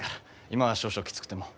今は少々きつくても。